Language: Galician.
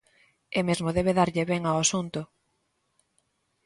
E mesmo debe darlle ben ao asunto.